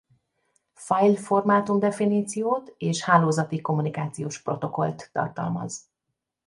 Fájlformátum definíciót és hálózati kommunikációs protokollt tartalmaz.